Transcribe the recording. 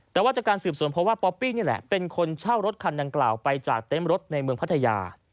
แต่ว่าจากการสืบสวนเพราะว่าป๊อปปี้นี่แหละเป็นคนเช่ารถคันดังกล่าวไปจากเต็มรถในเมืองพัทยา